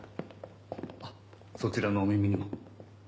あっそちらのお耳にも？